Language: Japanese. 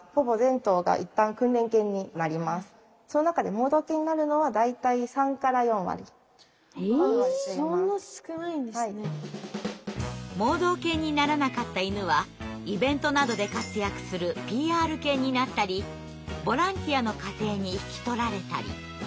盲導犬にならなかった犬はイベントなどで活躍するＰＲ犬になったりボランティアの家庭に引き取られたり。